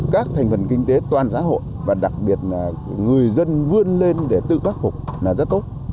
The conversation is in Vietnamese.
các thành phần kinh tế toàn xã hội và đặc biệt là người dân vươn lên để tự khắc phục là rất tốt